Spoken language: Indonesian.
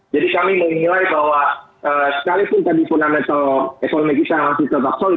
jadi kami mengilai bahwa sekalipun tadi fundamental ekonomi kita masih tetap solid